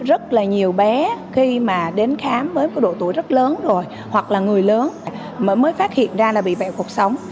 rất là nhiều bé khi mà đến khám với độ tuổi rất lớn rồi hoặc là người lớn mới phát hiện ra là bị bệnh cuộc sống